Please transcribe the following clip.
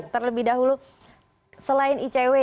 terlebih dahulu selain icw